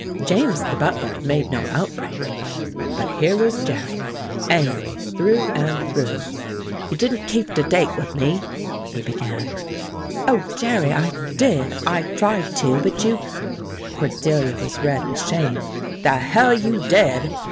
James the butler made no out break, but here was Jerry angry through and through. "You didn't keep de date wid me," he began. "Oh, Jerry, I did I tried to, but you " Cordelia was red with shame. "The hell you did!